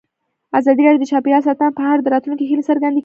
ازادي راډیو د چاپیریال ساتنه په اړه د راتلونکي هیلې څرګندې کړې.